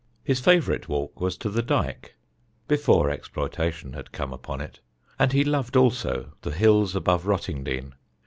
His favourite walk was to the Dyke (before exploitation had come upon it), and he loved also the hills above Rottingdean.